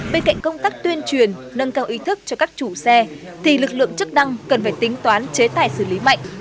bên cạnh công tác tuyên truyền nâng cao ý thức cho các chủ xe thì lực lượng chức năng cần phải tính toán chế tài xử lý mạnh